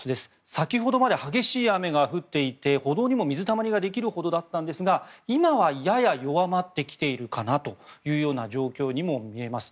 先ほどまで激しい雨が降っていて歩道にも水たまりができるほどだったんですが今はやや弱まってきているかなというような状況にも見えます。